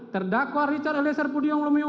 terdakwa rijal elisir pudihang lumio